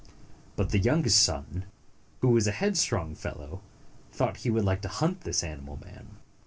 But the youngest son, who was a headstrong fellow, thought he would like to hunt this animal man.